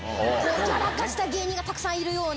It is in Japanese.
やらかした芸人がたくさんいるような。